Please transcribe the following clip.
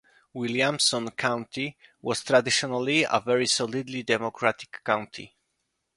Williamson County was traditionally a very solidly Democratic county.